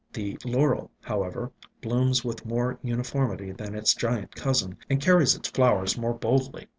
The Laurel, however, blooms with more uni formity than its giant cousin, and carries its flowers more boldly.